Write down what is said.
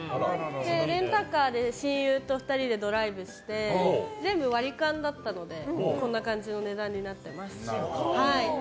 レンタカーで親友と２人でドライブして全部、割り勘だったのでこんな感じの値段になっています。